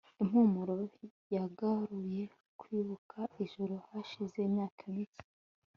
impumuro yagaruye kwibuka ijoro hashize imyaka mike